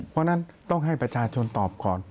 เพราะฉะนั้นต้องให้ประชาชนตอบก่อน